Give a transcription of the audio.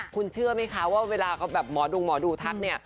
คุณเชื่อไหมคะว่าเวลาแบบหมอดุงหมอดูทักเนี่ย